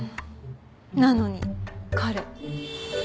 なのに彼。